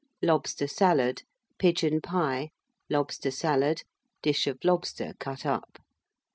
Lobster Salad Pigeon Pie. Lobster Salad. Dish of Lobster, cut up.